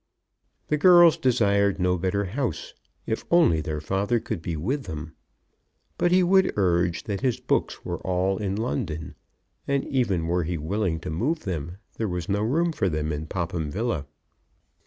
The girls desired no better house, if only their father could be with them. But he would urge that his books were all in London; and that, even were he willing to move them, there was no room for them in Popham Villa.